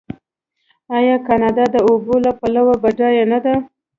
آیا کاناډا د اوبو له پلوه بډایه نه ده؟